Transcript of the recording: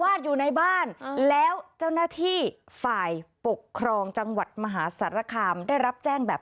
อยู่ในบ้านแล้วเจ้าหน้าที่ฝ่ายปกครองจังหวัดมหาสารคามได้รับแจ้งแบบ